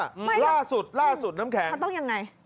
ไม่หรอกล่าสุดล่าสุดน้ำแข็งคำต้องยังไง